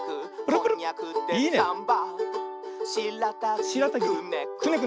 「こんにゃくでサンバ！」